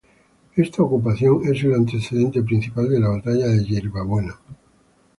Esta ocupación es el antecedente principal de la Batalla de Yerba Buena.